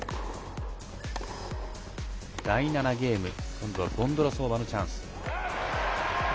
第７ゲーム、今度はボンドロウソバのチャンス。